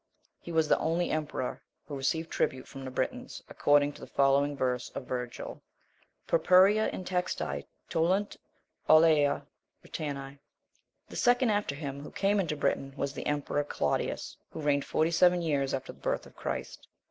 He was the only emperor who received tribute from the Britons, according to the following verse of Virgil: "Purpurea intexti tollunt aulaea Britanni." 21. The second after him, who came into Britain, was the emperor Claudius, who reigned forty seven years after the birth of Christ.